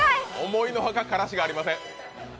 思いの外からしがありません。